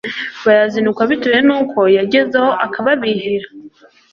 bayazinukwa bitewe nuko yagezaho akababihira